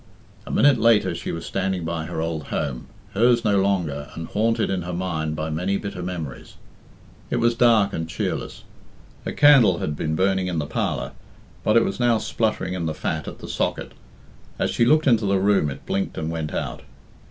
A minute later she was standing by her old home, hers no longer, and haunted in her mind by many bitter memories. It was dark and cheerless. A candle had been burning in the parlour, but it was now spluttering in the fat at the socket. As she looked into the room, it blinked and went out.